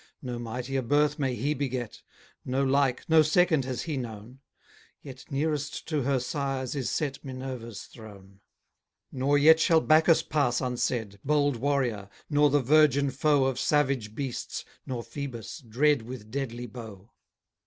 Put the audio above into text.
No mightier birth may He beget; No like, no second has He known; Yet nearest to her sire's is set Minerva's throne. Nor yet shall Bacchus pass unsaid, Bold warrior, nor the virgin foe Of savage beasts, nor Phoebus, dread With deadly bow.